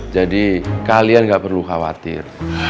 jadi kalian gak perlu khawatir